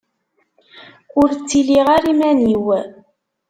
Ur ttiliɣ ara iman-iw.